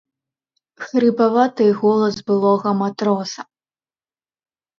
Хрыпаваты голас былога матроса.